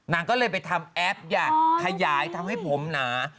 นางก็เลยไปทำแอปอยากขยายทำให้ผมหนา